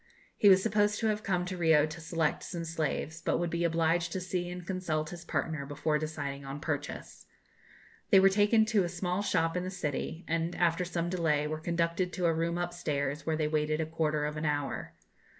He was supposed to have come to Rio to select some slaves, but would be obliged to see and consult his partner before deciding on purchase. They were taken to a small shop in the city, and, after some delay, were conducted to a room upstairs, where they waited a quarter of an hour.